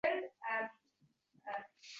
Siz ediz siz qoronguda yoritguvchi yullarim